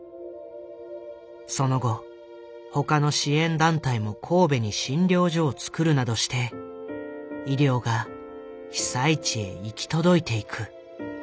その後他の支援団体も神戸に診療所を作るなどして医療が被災地へ行き届いていく。